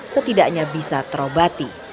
setidaknya bisa terobati